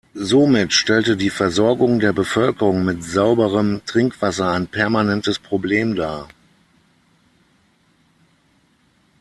Somit stellte die Versorgung der Bevölkerung mit sauberem Trinkwasser ein permanentes Problem dar.